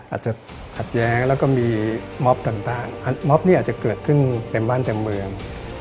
อาจจะขัดแย้งแล้วก็มีมอบต่างม็อบเนี่ยอาจจะเกิดขึ้นเต็มบ้านเต็มเมือง